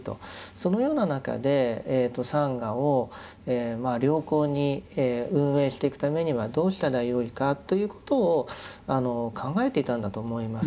そのような中でサンガを良好に運営していくためにはどうしたらよいかということを考えていたんだと思います。